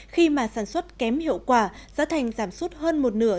khi mà sản xuất kém hiệu quả giá thành giảm suốt hơn một nửa